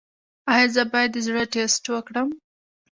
ایا زه باید د زړه ټسټ وکړم؟